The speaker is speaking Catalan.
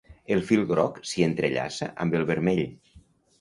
El fil groc s'hi entrellaça amb el vermell.